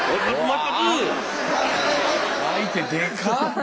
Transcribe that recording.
相手でか！